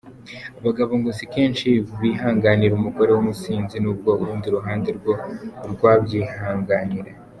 Abagabo ngo si kenshi bihanganira umugore w’umusinzi, n’ubwo urundi ruhande rwo rwabyihanganira.